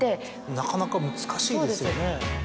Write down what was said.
なかなか難しいですよね。